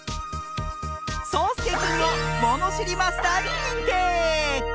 そうすけくんをものしりマスターににんてい！